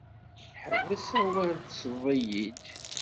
Ḥbes awal tesleḍ-iyi-d.